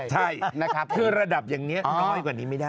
ใช่นะครับคือระดับอย่างนี้น้อยกว่านี้ไม่ได้